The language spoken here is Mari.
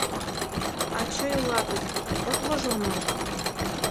— Ачый улатыс, от вожыл мо?